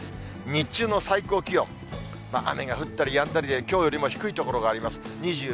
日中の最高気温、雨が降ったりやんだりで、きょうよりも低い所があります。